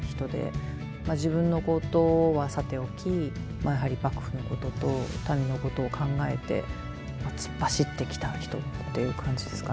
自分のことはさておきやはり幕府のことと民のことを考えて突っ走ってきた人っていう感じですかね。